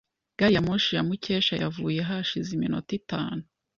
Gari ya moshi ya Mukesha yavuye hashize iminota itanu.